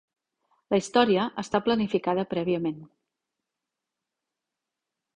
La història està planificada prèviament.